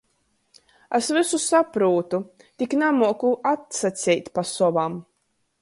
Es vysu saprūtu, tik namuoku atsaceit pa sovam.